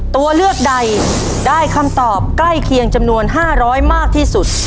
ตัวเลือกใดได้คำตอบใกล้เคียงจำนวน๕๐๐มากที่สุด